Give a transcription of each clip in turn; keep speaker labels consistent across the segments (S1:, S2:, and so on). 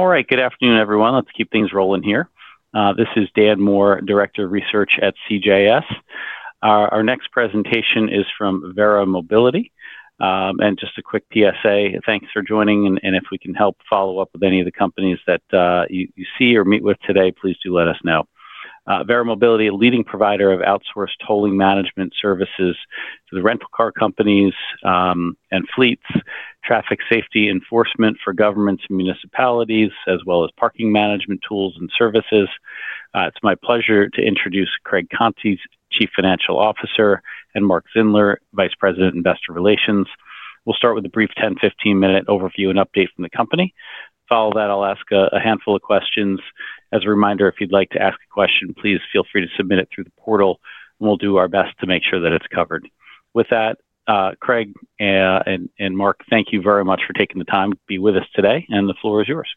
S1: All right, good afternoon, everyone. Let's keep things rolling here. This is Dan Moore, Director of Research at CJS. Our next presentation is from Verra Mobility, and just a quick PSA: thanks for joining, and if we can help follow up with any of the companies that you see or meet with today, please do let us know. Verra Mobility is a leading provider of outsourced tolling management services to the rental car companies, and fleets, traffic safety enforcement for governments and municipalities, as well as parking management tools and services. It's my pleasure to introduce Craig Conti, Chief Financial Officer, and Mark Zindler, Vice President, Investor Relations. We'll start with a brief 10, 15-minute overview and update from the company. Follow that, I'll ask a handful of questions. As a reminder, if you'd like to ask a question, please feel free to submit it through the portal, and we'll do our best to make sure that it's covered. With that, Craig and Mark, thank you very much for taking the time to be with us today, and the floor is yours.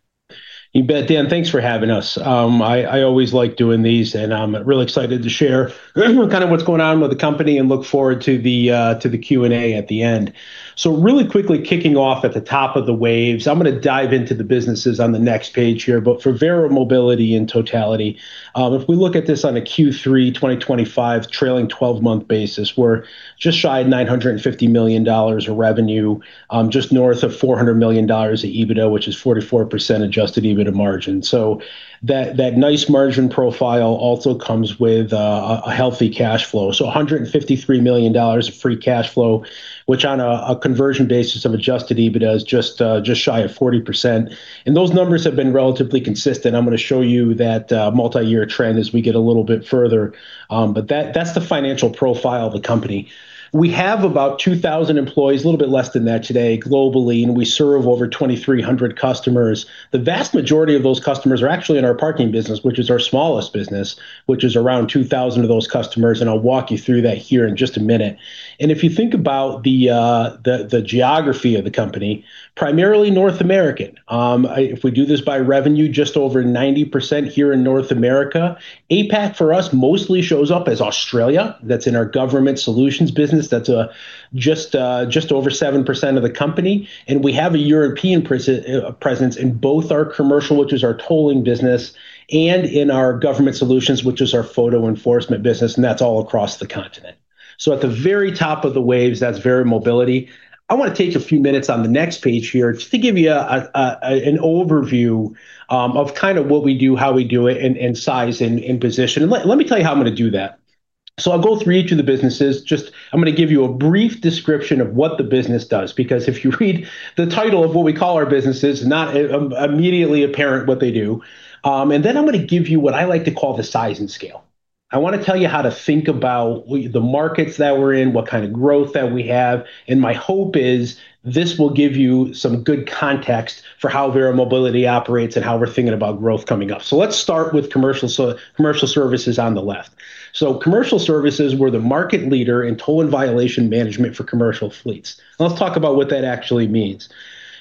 S2: You bet, Dan. Thanks for having us. I always like doing these, and I'm really excited to share kind of what's going on with the company and look forward to the Q&A at the end. So, really quickly kicking off at the top of the waves, I'm gonna dive into the businesses on the next page here. But for Verra Mobility in totality, if we look at this on a Q3 2025 trailing 12-month basis, we're just shy of $950 million of revenue, just north of $400 million of EBITDA, which is 44% Adjusted EBITDA margin. So that nice margin profile also comes with a healthy cash flow. So, $153 million of free cash flow, which on a conversion basis of Adjusted EBITDA is just shy of 40%. And those numbers have been relatively consistent. I'm gonna show you that multi-year trend as we get a little bit further. But that's the financial profile of the company. We have about 2,000 employees, a little bit less than that today globally, and we serve over 2,300 customers. The vast majority of those customers are actually in our parking business, which is our smallest business, which is around 2,000 of those customers. And I'll walk you through that here in just a minute. And if you think about the geography of the company, primarily North America, if we do this by revenue, just over 90% here in North America. APAC for us mostly shows up as Australia. That's in our Government Solutions business. That's just over 7% of the company. We have a European presence in both our Commercial, which is our tolling business, and in our Government Solutions, which is our photo enforcement business. That's all across the continent. At the very top of the waves, that's Verra Mobility. I wanna take a few minutes on the next page here just to give you an overview of kind of what we do, how we do it, and size and position. Let me tell you how I'm gonna do that. I'll go through each of the businesses. Just, I'm gonna give you a brief description of what the business does, because if you read the title of what we call our businesses, not immediately apparent what they do. And then I'm gonna give you what I like to call the size and scale. I wanna tell you how to think about the markets that we're in, what kind of growth that we have. And my hope is this will give you some good context for how Verra Mobility operates and how we're thinking about growth coming up. So, let's start with Commercial, so Commercial Services on the left. So, Commercial Services were the market leader in toll and violation management for commercial fleets. And let's talk about what that actually means.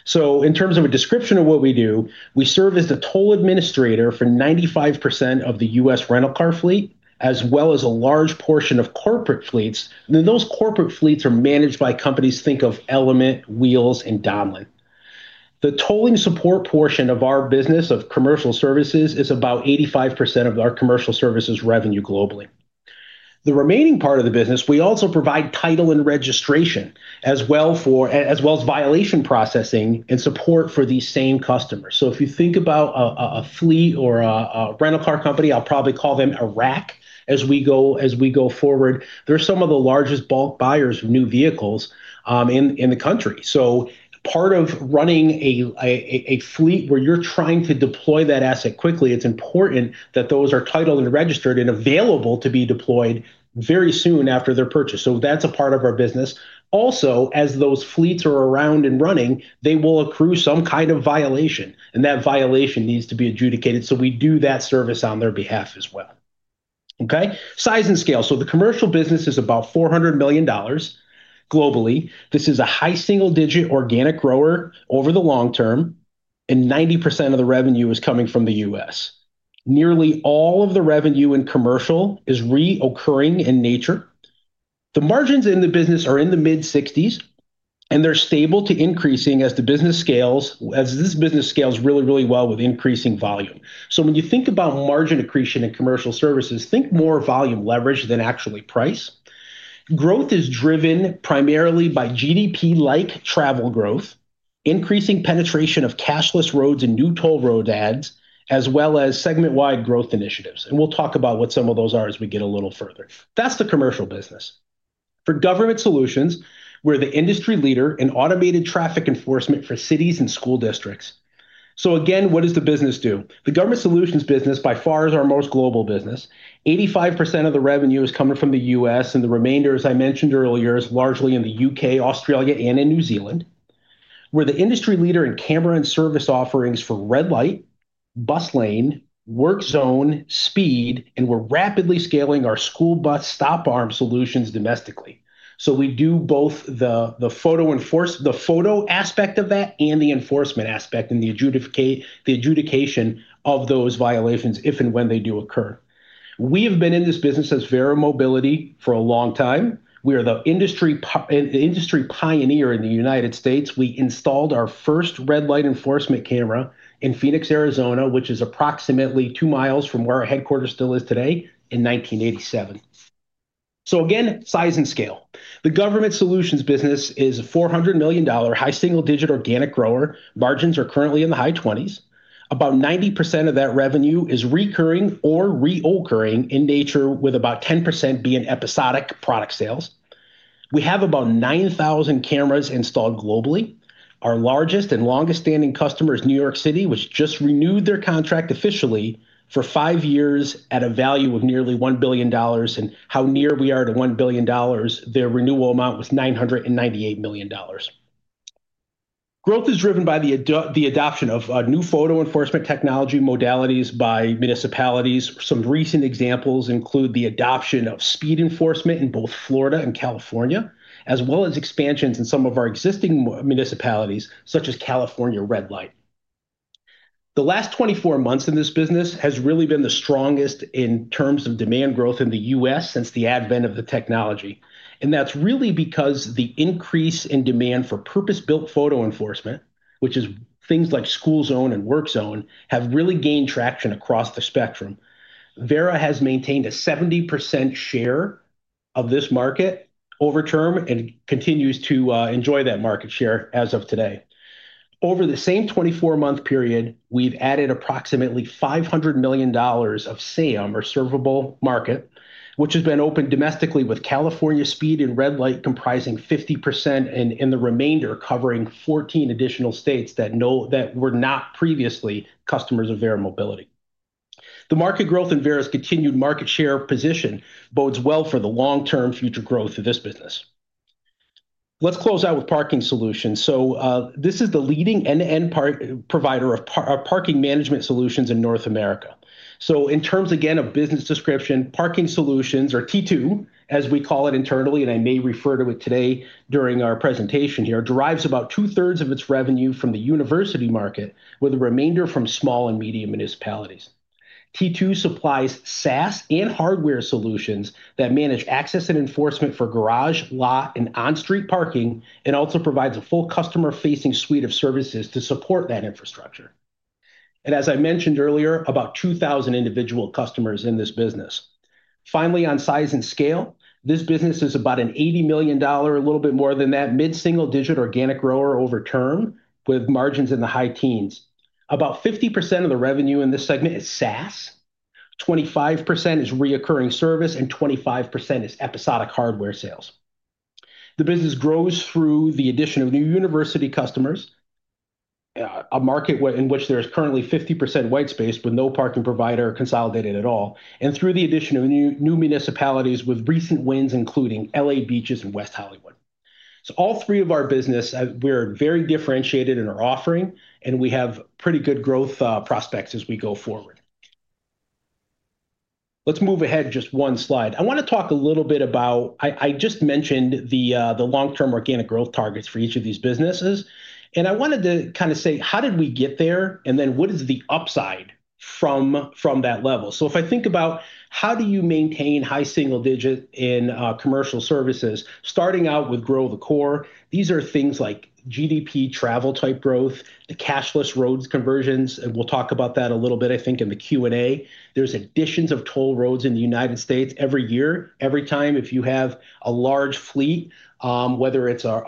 S2: So, in terms of a description of what we do, we serve as the toll administrator for 95% of the U.S. rental car fleet, as well as a large portion of corporate fleets. And then those corporate fleets are managed by companies, think of Element, Wheels, and Donlen. The tolling support portion of our business of Commercial Services is about 85% of our Commercial Services revenue globally. The remaining part of the business, we also provide title and registration as well as violation processing and support for these same customers. So, if you think about a fleet or a rental car company, I'll probably call them a RAC as we go forward. They're some of the largest bulk buyers of new vehicles in the country. So, part of running a fleet where you're trying to deploy that asset quickly, it's important that those are titled and registered and available to be deployed very soon after their purchase. So, that's a part of our business. Also, as those fleets are around and running, they will accrue some kind of violation, and that violation needs to be adjudicated. So, we do that service on their behalf as well. Okay? Size and scale. The Commercial business is about $400 million globally. This is a high single-digit organic grower over the long term, and 90% of the revenue is coming from the U.S. Nearly all of the revenue in Commercial is recurring in nature. The margins in the business are in the mid-60s, and they're stable to increasing as the business scales, as this business scales really, really well with increasing volume. When you think about margin accretion in Commercial Services, think more volume leverage than actually price. Growth is driven primarily by GDP-like travel growth, increasing penetration of cashless roads and new toll road adds, as well as segment-wide growth initiatives. We'll talk about what some of those are as we get a little further. That's the Commercial business. For Government Solutions, we're the industry leader in automated traffic enforcement for cities and school districts. So, again, what does the business do? The Government Solutions business, by far, is our most global business. 85% of the revenue is coming from the U.S., and the remainder, as I mentioned earlier, is largely in the U.K., Australia, and in New Zealand. We're the industry leader in camera and service offerings for red light, bus lane, work zone, speed, and we're rapidly scaling our school bus stop arm solutions domestically. So, we do both the photo enforcement, the photo aspect of that, and the enforcement aspect and the adjudication of those violations if and when they do occur. We have been in this business as Verra Mobility for a long time. We are the industry pioneer in the United States. We installed our first red light enforcement camera in Phoenix, Arizona, which is approximately two miles from where our headquarters still is today, in 1987. So, again, size and scale. The Government Solutions business is a $400 million high single-digit organic grower. Margins are currently in the high 20s. About 90% of that revenue is recurring or reoccurring in nature, with about 10% being episodic product sales. We have about 9,000 cameras installed globally. Our largest and longest-standing customer is New York City, which just renewed their contract officially for five years at a value of nearly $1 billion. And how near we are to $1 billion? Their renewal amount was $998 million. Growth is driven by the adoption of new photo enforcement technology modalities by municipalities. Some recent examples include the adoption of speed enforcement in both Florida and California, as well as expansions in some of our existing municipalities, such as California red light. The last 24 months in this business has really been the strongest in terms of demand growth in the U.S. since the advent of the technology, and that's really because the increase in demand for purpose-built photo enforcement, which is things like school zone and work zone, have really gained traction across the spectrum. Verra has maintained a 70% share of this market over term and continues to enjoy that market share as of today. Over the same 24-month period, we've added approximately $500 million of SAM, or serviceable market, which has been opened domestically with California speed and red light comprising 50%, and in the remainder, covering 14 additional states that now were not previously customers of Verra Mobility. The market growth in Verra's continued market share position bodes well for the long-term future growth of this business. Let's close out with Parking Solutions, so this is the leading end-to-end parking provider of parking management solutions in North America, so in terms, again, of business description, Parking Solutions, or T2, as we call it internally, and I may refer to it today during our presentation here, derives about two-thirds of its revenue from the university market, with the remainder from small and medium municipalities. T2 supplies SaaS and hardware solutions that manage access and enforcement for garage, lot, and on-street parking, and also provides a full customer-facing suite of services to support that infrastructure, and as I mentioned earlier, about 2,000 individual customers in this business. Finally, on size and scale, this business is about an $80 million, a little bit more than that, mid-single-digit organic grower over time, with margins in the high teens. About 50% of the revenue in this segment is SaaS, 25% is recurring service, and 25% is episodic hardware sales. The business grows through the addition of new university customers, a market in which there is currently 50% white space with no parking provider consolidated at all, and through the addition of new municipalities with recent wins, including L.A. Beaches and West Hollywood. So, all three of our business, we're very differentiated in our offering, and we have pretty good growth prospects as we go forward. Let's move ahead just one slide. I wanna talk a little bit about, I just mentioned the long-term organic growth targets for each of these businesses. I wanted to kinda say, how did we get there, and then what is the upside from that level? If I think about how do you maintain high single digit in Commercial Services, starting out with grow the core, these are things like GDP, travel-type growth, the cashless roads conversions, and we'll talk about that a little bit, I think, in the Q&A. There's additions of toll roads in the United States every year. Every time if you have a large fleet, whether it's a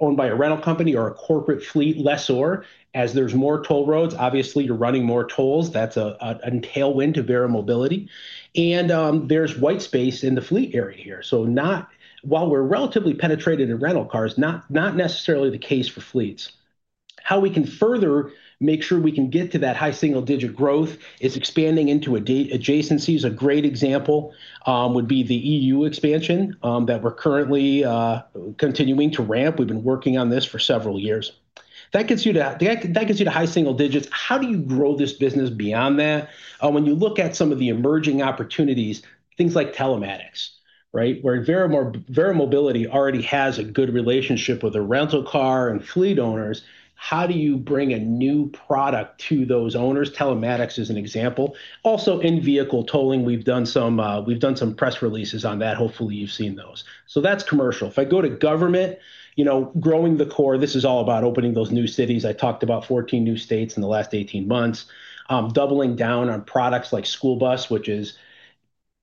S2: owned by a rental company or a corporate fleet, less so, as there's more toll roads, obviously, you're running more tolls. That's a tailwind to Verra Mobility. There's white space in the fleet area here. Not while we're relatively penetrated in rental cars, not necessarily the case for fleets. How we can further make sure we can get to that high single digit growth is expanding into adjacencies, is a great example, would be the EU expansion, that we're currently continuing to ramp. We've been working on this for several years. That gets you to high single digits. How do you grow this business beyond that? When you look at some of the emerging opportunities, things like telematics, right, where Verra Mobility already has a good relationship with the rental car and fleet owners, how do you bring a new product to those owners? Telematics is an example. Also, in-vehicle tolling, we've done some press releases on that. Hopefully, you've seen those. So, that's Commercial. If I go to Government, you know, growing the core, this is all about opening those new cities. I talked about 14 new states in the last 18 months, doubling down on products like school bus, which is,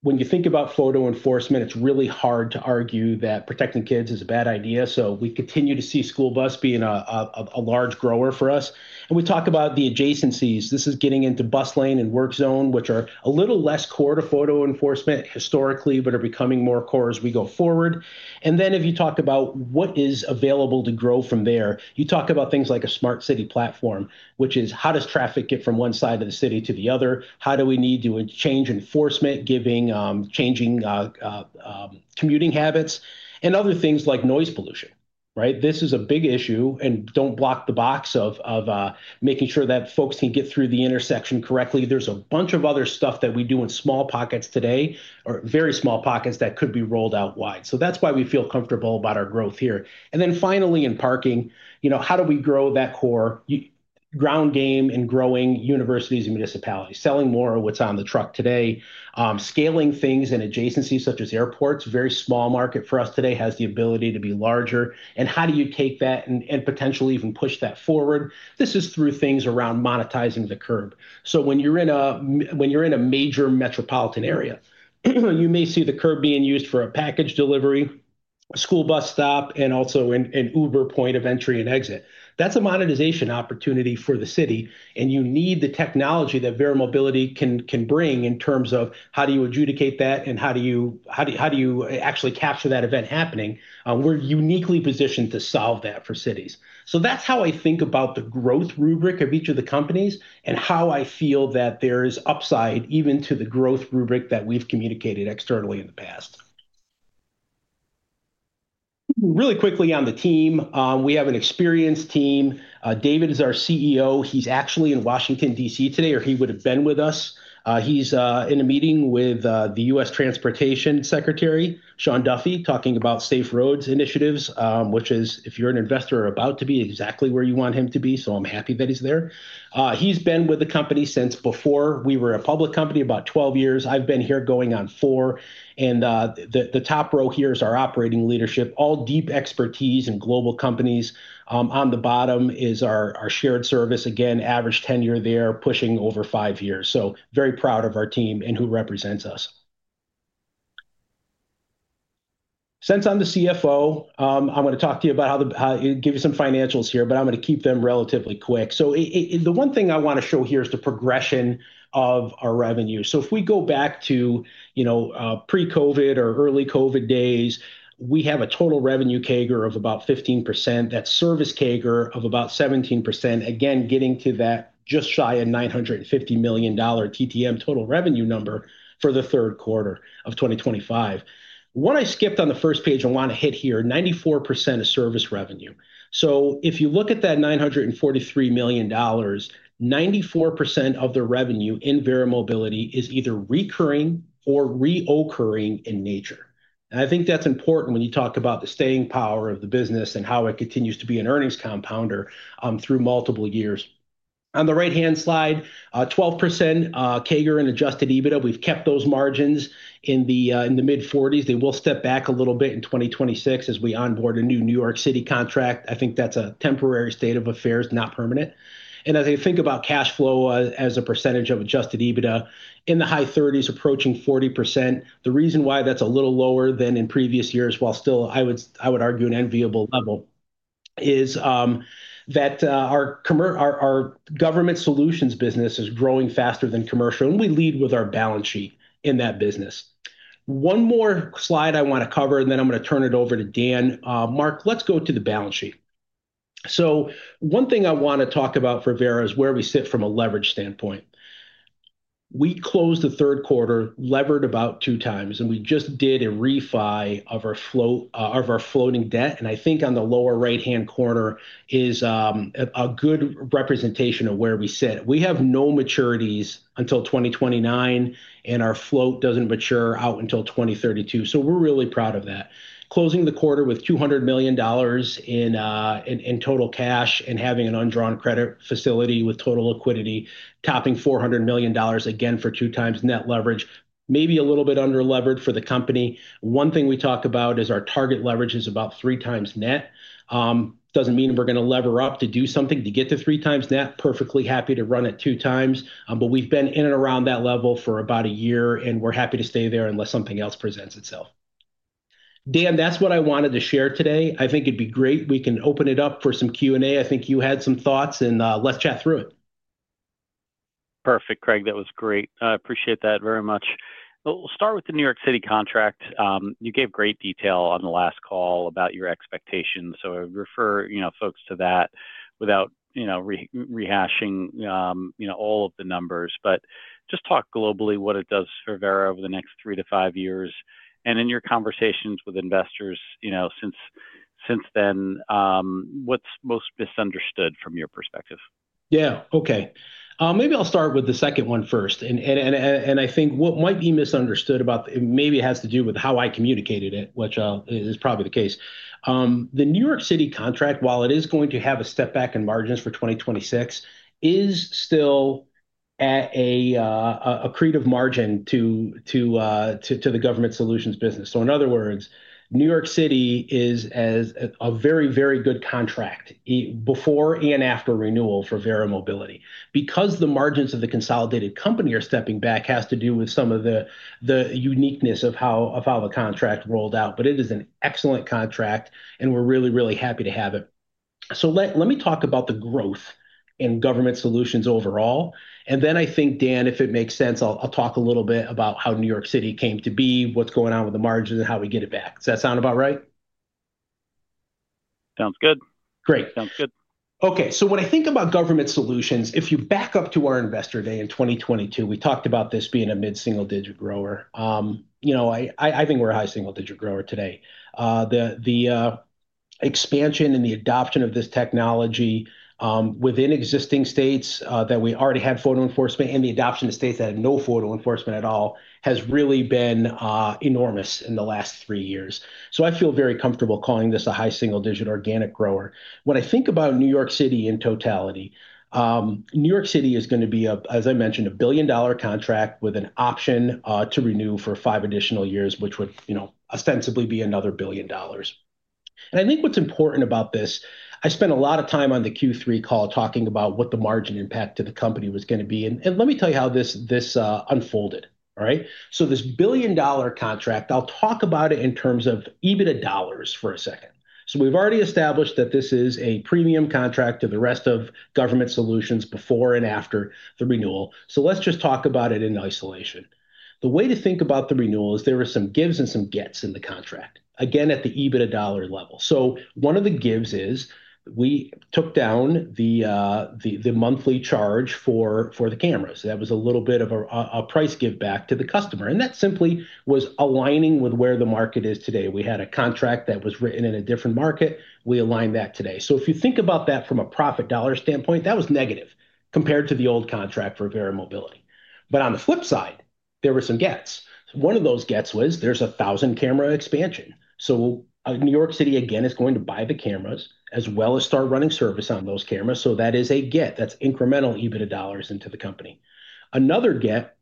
S2: when you think about photo enforcement, it's really hard to argue that protecting kids is a bad idea. So, we continue to see school bus being a large grower for us. And we talk about the adjacencies. This is getting into bus lane and work zone, which are a little less core to photo enforcement historically, but are becoming more core as we go forward. And then, if you talk about what is available to grow from there, you talk about things like a smart city platform, which is, how does traffic get from one side of the city to the other? How do we need to change enforcement, changing commuting habits? And other things like noise pollution, right? This is a big issue, and Don't Block the Box of making sure that folks can get through the intersection correctly. There's a bunch of other stuff that we do in small pockets today, or very small pockets that could be rolled out wide. So, that's why we feel comfortable about our growth here. And then, finally, in parking, you know, how do we grow that core? Your ground game and growing universities and municipalities, selling more of what's on the truck today, scaling things and adjacencies such as airports. Very small market for us today has the ability to be larger. And how do you take that and potentially even push that forward? This is through things around monetizing the curb. When you're in a major metropolitan area, you may see the curb being used for a package delivery, a school bus stop, and also an Uber point of entry and exit. That's a monetization opportunity for the city, and you need the technology that Verra Mobility can bring in terms of how do you adjudicate that, and how do you actually capture that event happening? We're uniquely positioned to solve that for cities. That's how I think about the growth rubric of each of the companies and how I feel that there is upside even to the growth rubric that we've communicated externally in the past. Really quickly on the team, we have an experienced team. David is our CEO. He's actually in Washington, D.C. today, or he would have been with us. He's in a meeting with the U.S. Transportation Secretary, Sean Duffy, talking about safe roads initiatives, which is, if you're an investor, are about to be exactly where you want him to be. So, I'm happy that he's there. He's been with the company since before we were a public company, about 12 years. I've been here going on four. And the top row here is our operating leadership, all deep expertise in global companies. On the bottom is our shared service. Again, average tenure there, pushing over five years. So, very proud of our team and who represents us. Since I'm the CFO, I'm gonna talk to you about how... give you some financials here, but I'm gonna keep them relatively quick. So, the one thing I wanna show here is the progression of our revenue. So, if we go back to, you know, pre-COVID or early COVID days, we have a total revenue CAGR of about 15%, that service CAGR of about 17%, again, getting to that just shy of $950 million TTM total revenue number for the third quarter of 2025. What I skipped on the first page I wanna hit here, 94% of service revenue. So, if you look at that $943 million, 94% of the revenue in Verra Mobility is either recurring or reoccurring in nature. And I think that's important when you talk about the staying power of the business and how it continues to be an earnings compounder, through multiple years. On the right-hand side, 12% CAGR and Adjusted EBITDA. We've kept those margins in the mid-40s. They will step back a little bit in 2026 as we onboard a new New York City contract. I think that's a temporary state of affairs, not permanent, and as I think about cash flow, as a percentage of Adjusted EBITDA, in the high 30s, approaching 40%. The reason why that's a little lower than in previous years, while still, I would argue an enviable level, is that our Government Solutions business is growing faster than Commercial, and we lead with our balance sheet in that business. One more slide I wanna cover, and then I'm gonna turn it over to Dan. Mark, let's go to the balance sheet. One thing I wanna talk about for Verra is where we sit from a leverage standpoint. We closed the third quarter levered about two times, and we just did a refi of our floating debt. And I think on the lower right-hand corner is a good representation of where we sit. We have no maturities until 2029, and our float doesn't mature out until 2032. So, we're really proud of that. Closing the quarter with $200 million in total cash and having an undrawn credit facility with total liquidity, topping $400 million again for two times net leverage, maybe a little bit underleveraged for the company. One thing we talk about is our target leverage is about three times net. Doesn't mean we're gonna lever up to do something to get to three times net. Perfectly happy to run it two times. But we've been in and around that level for about a year, and we're happy to stay there unless something else presents itself. Dan, that's what I wanted to share today. I think it'd be great we can open it up for some Q&A. I think you had some thoughts, and let's chat through it.
S1: Perfect, Craig. That was great. I appreciate that very much. We'll start with the New York City contract. You gave great detail on the last call about your expectations. So, I refer, you know, folks to that without, you know, rehashing, you know, all of the numbers, but just talk globally what it does for Verra over the next three to five years. In your conversations with investors, you know, since then, what's most misunderstood from your perspective?
S2: Yeah. Okay. Maybe I'll start with the second one first. And I think what might be misunderstood about the, maybe it has to do with how I communicated it, which is probably the case. The New York City contract, while it is going to have a step back in margins for 2026, is still at a creative margin to the Government Solutions business. So, in other words, New York City is a very, very good contract before and after renewal for Verra Mobility. Because the margins of the consolidated company are stepping back has to do with some of the uniqueness of how the contract rolled out. But it is an excellent contract, and we're really, really happy to have it. So, let me talk about the growth in Government Solutions overall. Then I think, Dan, if it makes sense, I'll talk a little bit about how New York City came to be, what's going on with the margins, and how we get it back. Does that sound about right?
S1: Sounds good. Great. Sounds good.
S2: Okay. So, when I think about Government Solutions, if you back up to our Investor Day in 2022, we talked about this being a mid-single digit grower. You know, I think we're a high single digit grower today. The expansion and the adoption of this technology, within existing states that we already had photo enforcement and the adoption of states that had no photo enforcement at all has really been enormous in the last three years. So, I feel very comfortable calling this a high single digit organic grower. When I think about New York City in totality, New York City is gonna be a, as I mentioned, a $1 billion contract with an option to renew for five additional years, which would, you know, ostensibly be another $1 billion. I think what's important about this. I spent a lot of time on the Q3 call talking about what the margin impact to the company was gonna be. Let me tell you how this unfolded, all right? This billion-dollar contract, I'll talk about it in terms of EBITDA dollars for a second. We've already established that this is a premium contract to the rest of Government Solutions before and after the renewal. Let's just talk about it in isolation. The way to think about the renewal is there are some gives and some gets in the contract, again, at the EBITDA dollar level. One of the gives is we took down the monthly charge for the cameras. That was a little bit of a price give back to the customer. And that simply was aligning with where the market is today. We had a contract that was written in a different market. We aligned that today. So, if you think about that from a profit dollar standpoint, that was negative compared to the old contract for Verra Mobility. But on the flip side, there were some gets. One of those gets was there's a thousand camera expansion. So, New York City, again, is going to buy the cameras as well as start running service on those cameras. So, that is a get. That's incremental EBITDA dollars into the company. Another get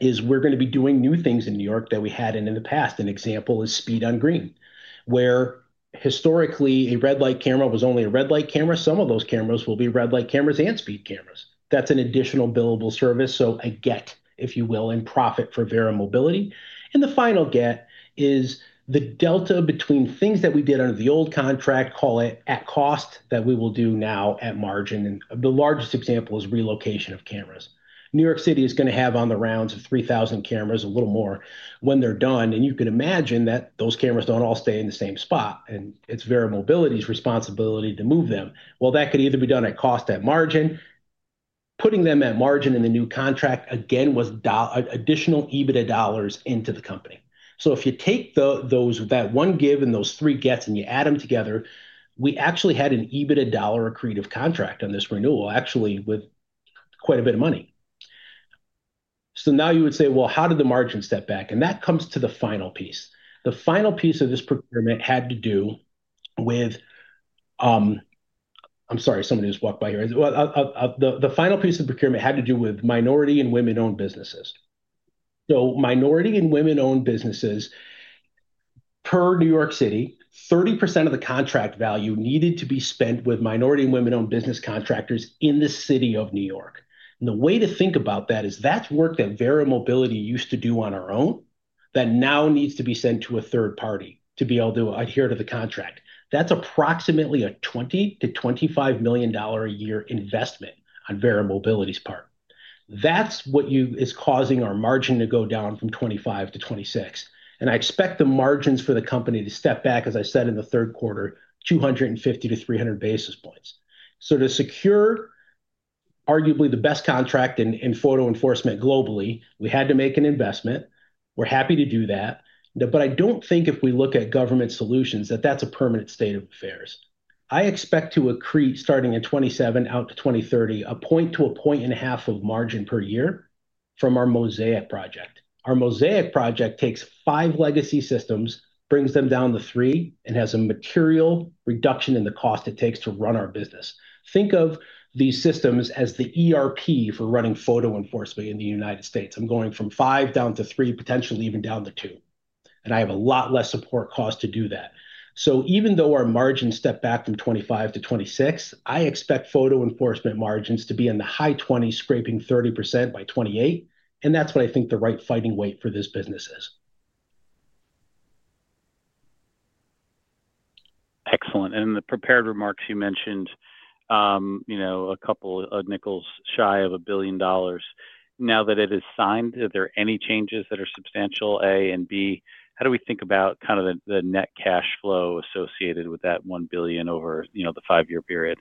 S2: is we're gonna be doing new things in New York that we had in the past. An example is speed on green, where historically a red light camera was only a red light camera. Some of those cameras will be red light cameras and speed cameras. That's an additional billable service, so a get, if you will, in profit for Verra Mobility, and the final get is the delta between things that we did under the old contract, call it at cost, that we will do now at margin. And the largest example is relocation of cameras. New York City is gonna have on the order of 3,000 cameras, a little more when they're done. And you can imagine that those cameras don't all stay in the same spot, and it's Verra Mobility's responsibility to move them, well, that could either be done at cost or at margin. Putting them at margin in the new contract, again, was additional EBITDA dollars into the company. If you take those, that one give and those three gets, and you add them together, we actually had an EBITDA dollar accretive contract on this renewal, actually with quite a bit of money. Now you would say, well, how did the margin step back? That comes to the final piece. The final piece of procurement had to do with minority and women-owned businesses. Minority and women-owned businesses, per New York City, 30% of the contract value needed to be spent with minority and women-owned business contractors in the city of New York. The way to think about that is that's work that Verra Mobility used to do on our own that now needs to be sent to a third party to be able to adhere to the contract. That's approximately a $20 million-$25 million a year investment on Verra Mobility's part. That's what is causing our margin to go down from 25% to 26%. I expect the margins for the company to step back, as I said in the third quarter, 250 to 300 basis points. To secure arguably the best contract in photo enforcement globally, we had to make an investment. We're happy to do that. But I don't think, if we look at Government Solutions, that that's a permanent state of affairs. I expect to accrete starting in 2027 out to 2030, a point to a point and a half of margin per year from our Mosaic project. Our Mosaic project takes five legacy systems, brings them down to three, and has a material reduction in the cost it takes to run our business. Think of these systems as the ERP for running photo enforcement in the United States. I'm going from five down to three, potentially even down to two, and I have a lot less support cost to do that. So, even though our margin stepped back from 25% to 26%, I expect photo enforcement margins to be in the high 20s, scraping 30% by 2028, and that's what I think the right fighting weight for this business is.
S1: Excellent, and in the prepared remarks, you mentioned, you know, a couple of nickels shy of $1 billion. Now that it is signed, are there any changes that are substantial? A, and B, how do we think about kind of the net cash flow associated with that $1 billion over, you know, the five-year period?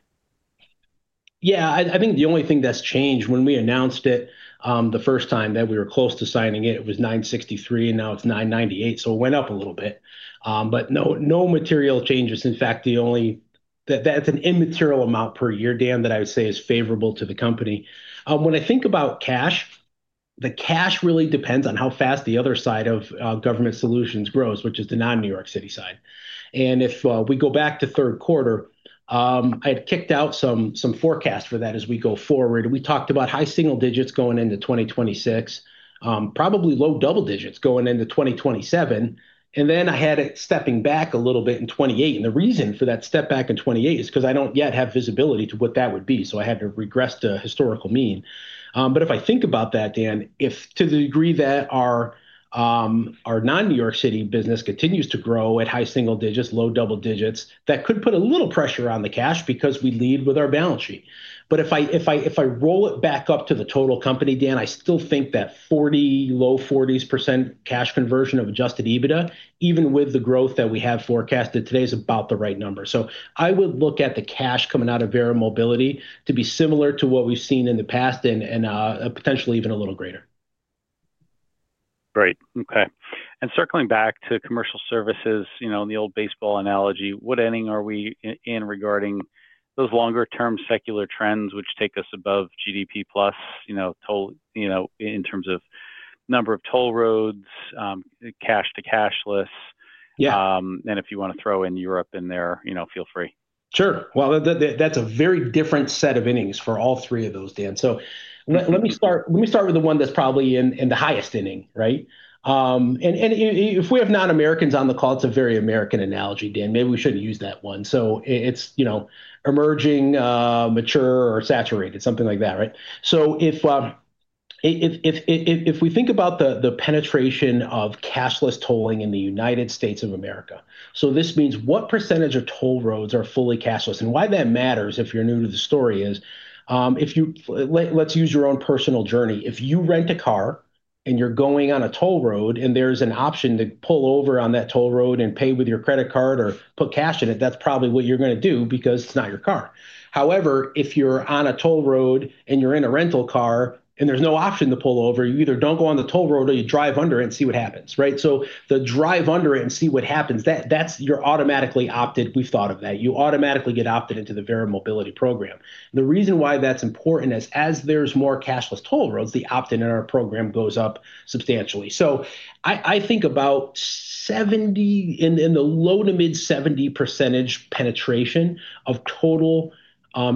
S2: Yeah. I think the only thing that's changed when we announced it, the first time that we were close to signing it, it was $963 million, and now it's $998 million. So, it went up a little bit. But no, no material changes. In fact, the only, that that's an immaterial amount per year, Dan, that I would say is favorable to the company. When I think about cash, the cash really depends on how fast the other side of Government Solutions grows, which is the non-New York City side. And if we go back to third quarter, I had kicked out some forecasts for that as we go forward. We talked about high single digits going into 2026, probably low double digits going into 2027. And then I had it stepping back a little bit in 2028. And the reason for that step back in 2028 is 'cause I don't yet have visibility to what that would be. So, I had to regress to historical mean. But if I think about that, Dan, if to the degree that our, our non-New York City business continues to grow at high single digits, low double digits, that could put a little pressure on the cash because we lead with our balance sheet. But if I, if I, if I roll it back up to the total company, Dan, I still think that 40-low 40% cash conversion of Adjusted EBITDA, even with the growth that we have forecasted today, is about the right number. So, I would look at the cash coming out of Verra Mobility to be similar to what we've seen in the past and potentially even a little greater.
S1: Great. Okay. And circling back to Commercial Services, you know, in the old baseball analogy, what inning are we in regarding those longer-term secular trends, which take us above GDP plus, you know, total, you know, in terms of number of toll roads, cash to cashless?
S2: Yeah.
S1: And if you wanna throw in Europe in there, you know, feel free.
S2: Sure. Well, that's a very different set of innings for all three of those, Dan. Let me start with the one that's probably in the highest inning, right? And if we have non-Americans on the call, it's a very American analogy, Dan. Maybe we shouldn't use that one. So, it's, you know, emerging, mature or saturated, something like that, right? So, if we think about the penetration of cashless tolling in the United States of America, so this means what percentage of toll roads are fully cashless? And why that matters, if you're new to the story, is, if you, let's use your own personal journey. If you rent a car and you're going on a toll road and there's an option to pull over on that toll road and pay with your credit card or put cash in it, that's probably what you're gonna do because it's not your car. However, if you're on a toll road and you're in a rental car and there's no option to pull over, you either don't go on the toll road or you drive under it and see what happens, right? So, the drive under it and see what happens, that, that's you're automatically opted. We've thought of that. You automatically get opted into the Verra Mobility program. And the reason why that's important is as there's more cashless toll roads, the opt-in in our program goes up substantially. So, I think about 70% in the low to mid 70% penetration of total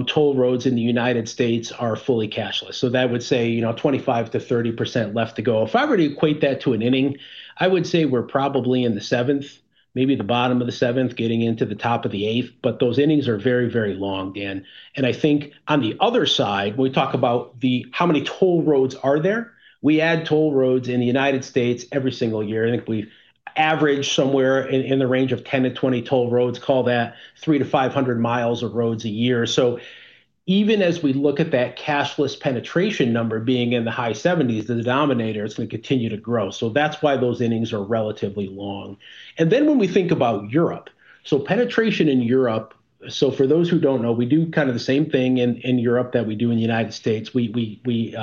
S2: toll roads in the United States are fully cashless. So, that would say, you know, 25%-30% left to go. If I were to equate that to an inning, I would say we're probably in the seventh, maybe the bottom of the seventh, getting into the top of the eighth. But those innings are very, very long, Dan. And I think on the other side, when we talk about the, how many toll roads are there, we add toll roads in the United States every single year. I think we've averaged somewhere in the range of 10-20 toll roads, call that three to 500 mi of roads a year. So, even as we look at that cashless penetration number being in the high 70s, the denominator is gonna continue to grow. So, that's why those innings are relatively long. And then when we think about Europe, so penetration in Europe, so for those who don't know, we do kind of the same thing in Europe that we do in the United States. We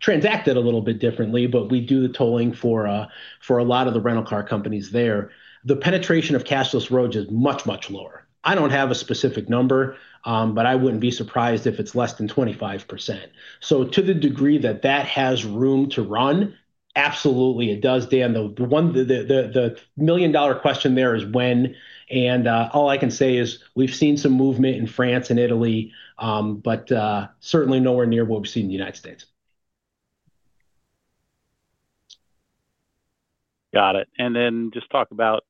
S2: transact it a little bit differently, but we do the tolling for a lot of the rental car companies there. The penetration of cashless roads is much, much lower. I don't have a specific number, but I wouldn't be surprised if it's less than 25%. To the degree that that has room to run, absolutely it does, Dan. The million-dollar question there is when. All I can say is we've seen some movement in France and Italy, but certainly nowhere near what we've seen in the United States.
S1: Got it. Then just talk about.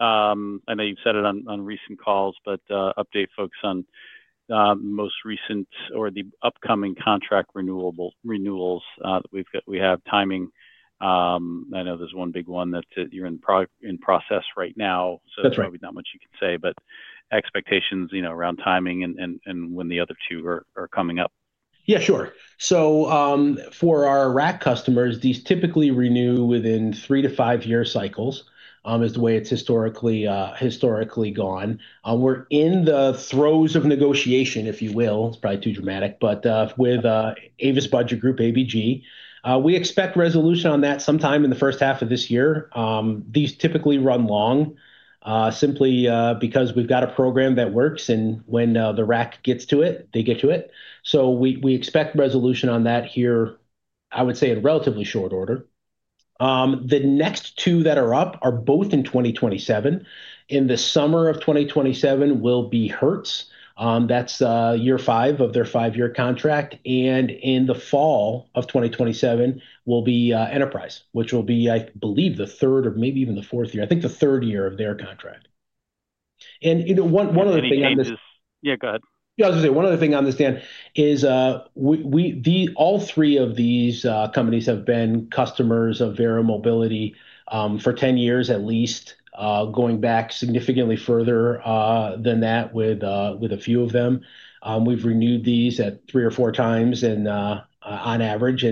S1: I know you've said it on recent calls, but update folks on the most recent or the upcoming contract renewals that we've got. We have timing. I know there's one big one that you're in process right now. That's right. Probably not much you can say, but expectations, you know, around timing and when the other two are coming up.
S2: Yeah, sure. So, for our RAC customers, these typically renew within three to five year cycles. This is the way it's historically gone. We're in the throes of negotiation, if you will. It's probably too dramatic, but with Avis Budget Group, ABG, we expect resolution on that sometime in the first half of this year. These typically run long, simply because we've got a program that works. And when the RAC gets to it, they get to it. So we expect resolution on that here. I would say in relatively short order. The next two that are up are both in 2027. In the summer of 2027 will be Hertz. That's year five of their five-year contract. And in the fall of 2027 will be Enterprise, which will be, I believe, the third or maybe even the fourth year. I think the third year of their contract. You know, one of the things on this.
S1: Yeah, go ahead.
S2: Yeah, I was gonna say one other thing on this, Dan, is we all three of these companies have been customers of Verra Mobility for 10 years at least, going back significantly further than that with a few of them. We've renewed these at three or four times on average.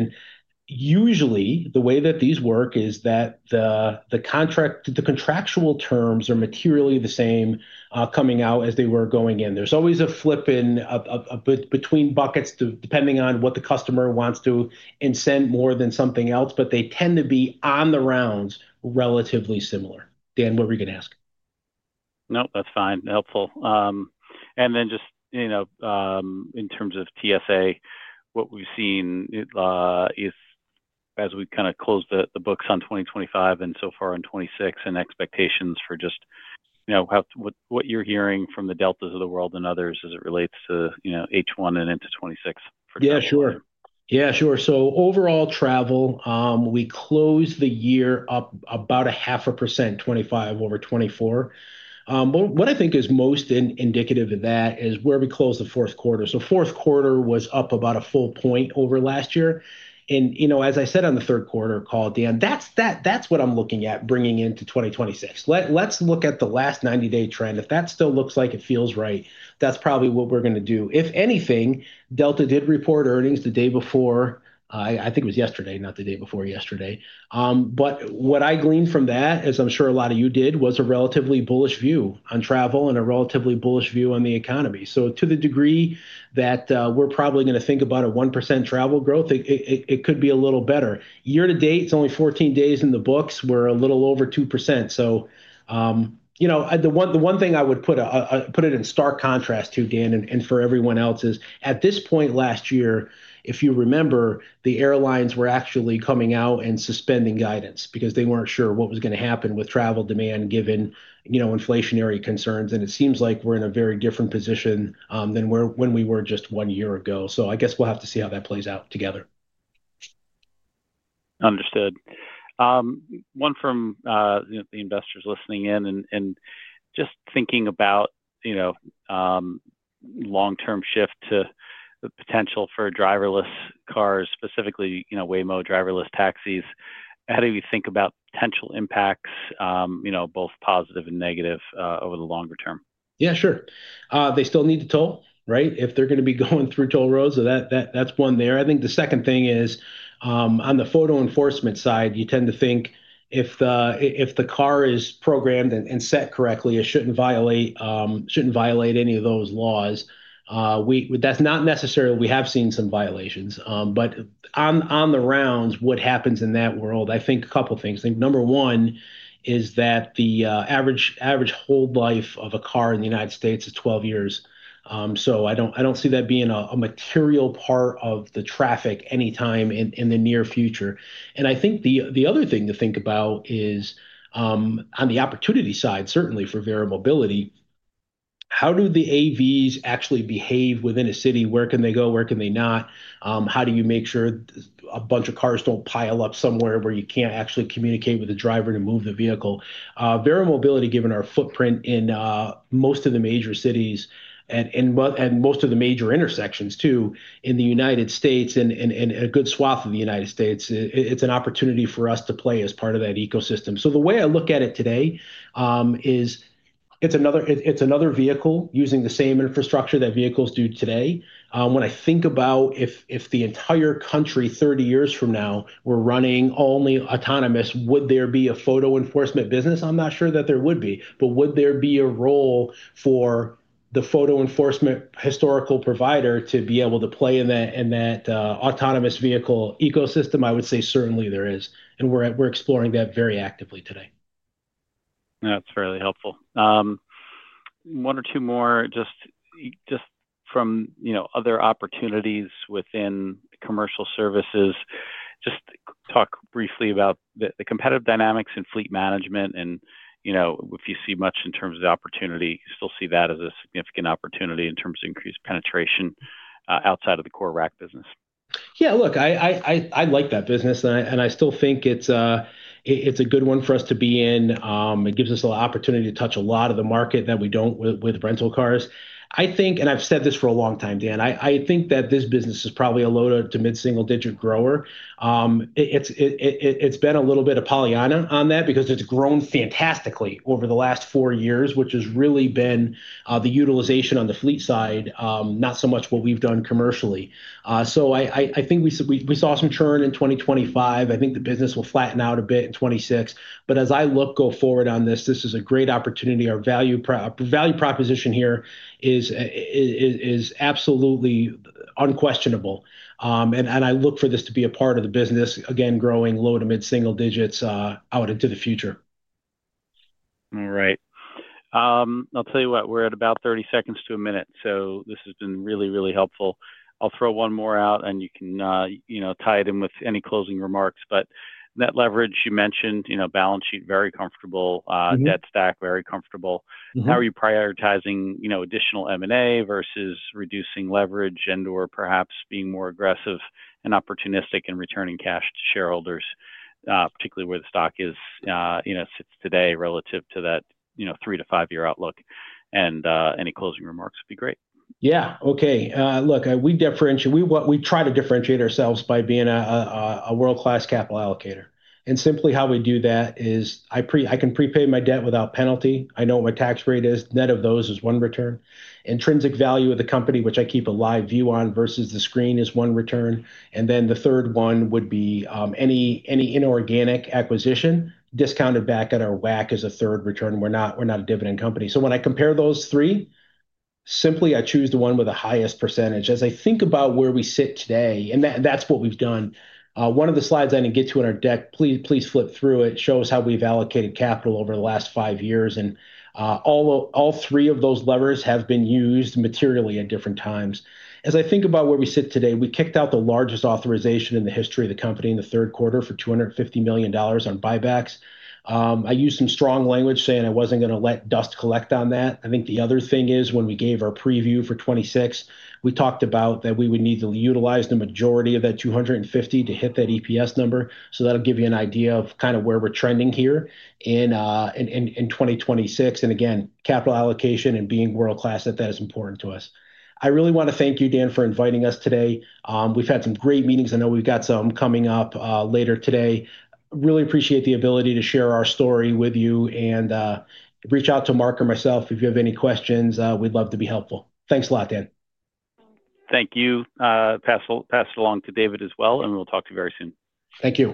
S2: Usually the way that these work is that the contract, the contractual terms are materially the same coming out as they were going in. There's always a flip in a bit between buckets depending on what the customer wants to and send more than something else, but they tend to be on the rounds relatively similar. Dan, what were you gonna ask?
S1: Nope, that's fine. Helpful. and then just, you know, in terms of TSA, what we've seen is as we kind of close the books on 2025 and so far in 2026 and expectations for just, you know, how what you're hearing from the deltas of the world and others as it relates to, you know, H1 and into 2026 for sure.
S2: Yeah, sure. So, overall travel, we close the year up about 0.5%, 2025 over 2024. What I think is most indicative of that is where we close the fourth quarter. So, fourth quarter was up about a full point over last year, and you know, as I said on the third quarter call, Dan, that's what I'm looking at bringing into 2026. Let's look at the last 90-day trend. If that still looks like it feels right, that's probably what we're gonna do. If anything, Delta did report earnings the day before. I think it was yesterday, not the day before yesterday. But what I gleaned from that, as I'm sure a lot of you did, was a relatively bullish view on travel and a relatively bullish view on the economy. So, to the degree that we're probably gonna think about a 1% travel growth, it could be a little better. Year to date, it's only 14 days in the books. We're a little over 2%. So, you know, the one thing I would put it in stark contrast to, Dan, and for everyone else is at this point last year, if you remember, the airlines were actually coming out and suspending guidance because they weren't sure what was gonna happen with travel demand given, you know, inflationary concerns. It seems like we're in a very different position than we were when we were just one year ago. I guess we'll have to see how that plays out together.
S1: Understood. One from the investors listening in and just thinking about, you know, long-term shift to the potential for driverless cars, specifically, you know, Waymo driverless taxis. How do you think about potential impacts, you know, both positive and negative, over the longer term?
S2: Yeah, sure. They still need tolls, right? If they're gonna be going through toll roads, so that's one there. I think the second thing is, on the photo enforcement side, you tend to think if the car is programmed and set correctly, it shouldn't violate any of those laws. Well, that's not necessarily. We have seen some violations, but on the roads, what happens in that world? I think a couple of things. I think number one is that the average hold life of a car in the United States is 12 years. So I don't see that being a material part of the traffic anytime in the near future. I think the other thing to think about is, on the opportunity side, certainly for Verra Mobility, how do the AVs actually behave within a city? Where can they go? Where can they not? How do you make sure a bunch of cars don't pile up somewhere where you can't actually communicate with the driver to move the vehicle? Verra Mobility, given our footprint in most of the major cities and most of the major intersections too in the United States and a good swath of the United States, it's an opportunity for us to play as part of that ecosystem. So, the way I look at it today, is it's another vehicle using the same infrastructure that vehicles do today. When I think about if the entire country 30 years from now, we're running only autonomous, would there be a photo enforcement business? I'm not sure that there would be, but would there be a role for the photo enforcement historical provider to be able to play in that autonomous vehicle ecosystem? I would say certainly there is. And we're exploring that very actively today.
S1: That's really helpful. One or two more, just from, you know, other opportunities within Commercial Services, just talk briefly about the competitive dynamics and fleet management. And, you know, if you see much in terms of opportunity, you still see that as a significant opportunity in terms of increased penetration, outside of the core RAC business.
S2: Yeah. Look, I like that business and I still think it's a good one for us to be in. It gives us a lot of opportunity to touch a lot of the market that we don't with rental cars. I think, and I've said this for a long time, Dan, I think that this business is probably a low to mid single digit grower. It's been a little bit of Pollyanna on that because it's grown fantastically over the last four years, which has really been the utilization on the fleet side, not so much what we've done commercially. So I think we saw some churn in 2025. I think the business will flatten out a bit in 2026. But as I look going forward on this, this is a great opportunity. Our value proposition here is absolutely unquestionable. And I look for this to be a part of the business again, growing low to mid single digits, out into the future.
S1: All right. I'll tell you what, we're at about 30 seconds to a minute. So, this has been really helpful. I'll throw one more out and you can, you know, tie it in with any closing remarks. But net leverage you mentioned, you know, balance sheet very comfortable, debt stack very comfortable. How are you prioritizing, you know, additional M&A versus reducing leverage and/or perhaps being more aggressive and opportunistic in returning cash to shareholders, particularly where the stock is, you know, sits today relative to that, you know, three to five year outlook? And any closing remarks would be great.
S2: Yeah. Okay. Look, we differentiate, what we try to differentiate ourselves by being a world-class capital allocator. And simply how we do that is I can prepay my debt without penalty. I know what my tax rate is. Net of those is one return. Intrinsic value of the company, which I keep a live view on versus the screen is one return. And then the third one would be any inorganic acquisition discounted back at our WACC is a third return. We're not a dividend company. So, when I compare those three, simply I choose the one with the highest percentage. As I think about where we sit today, and that, that's what we've done. One of the slides I didn't get to in our deck, please flip through it, show us how we've allocated capital over the last five years. And, all three of those levers have been used materially at different times. As I think about where we sit today, we kicked out the largest authorization in the history of the company in the third quarter for $250 million on buybacks. I used some strong language saying I wasn't gonna let dust collect on that. I think the other thing is when we gave our preview for 2026, we talked about that we would need to utilize the majority of that $250 to hit that EPS number. So, that'll give you an idea of kind of where we're trending here in 2026. And again, capital allocation and being world-class at that is important to us. I really wanna thank you, Dan, for inviting us today. We've had some great meetings. I know we've got some coming up, later today. Really appreciate the ability to share our story with you and reach out to Mark or myself if you have any questions. We'd love to be helpful. Thanks a lot, Dan.
S1: Thank you. Pass it along to David as well, and we'll talk to you very soon.
S2: Thank you.